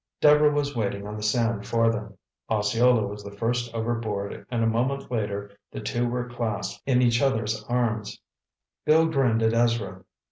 Deborah was waiting on the sand for them. Osceola was the first overboard and a moment later the two were clasped in each other's arms. Bill grinned at Ezra.